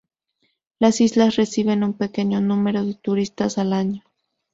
Las islas reciben un pequeño número de turistas al año.